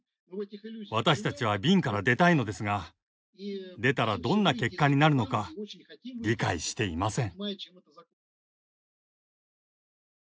私たちは瓶から出たいのですが出たらどんな結果になるのか理解していません。